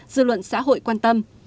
dư luận xã hội quan tâm